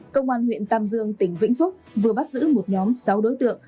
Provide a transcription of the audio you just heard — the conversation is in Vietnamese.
công an huyện tam dương tỉnh vĩnh phúc vừa bắt giữ một nhóm sáu đối tượng